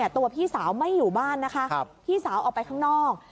ตัวพี่สาวไม่อยู่บ้านนะคะพี่สาวออกไปข้างนอก